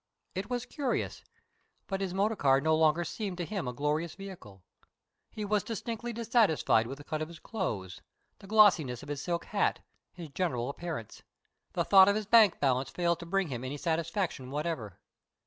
It was curious, but his motor car no longer seemed to him a glorious vehicle. He was distinctly dissatisfied with the cut of his clothes, the glossiness of his silk hat, his general appearance. The thought of his bank balance failed to bring him any satisfaction whatever.